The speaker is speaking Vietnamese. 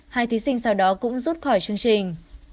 hai thí sinh sau đó cũng rút khỏi chương trình